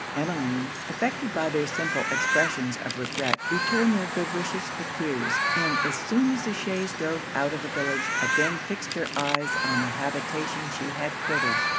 Emmeline, affected by their simple expressions of regret, returned their good wishes with tears; and as soon as the chaise drove out of the village, again fixed her eyes on the habitation she had quitted.